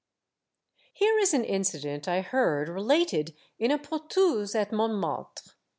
Here is an incident I heard related in a pot house at Montmartre.